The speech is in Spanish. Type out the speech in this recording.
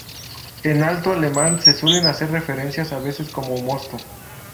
En alto alemán se suele hacer referencia a veces como mosto.